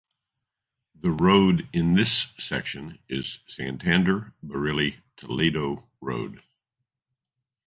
The road in this section is Santander–Barili–Toledo Road.